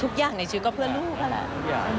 ทุกอย่างในชีวิตก็เพื่อนลูกแล้ว